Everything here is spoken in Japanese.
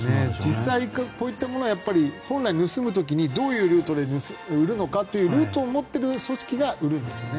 実際こういったものは本来盗む時にどういうルートで売るのかというルートを持っている組織が売るんですよね。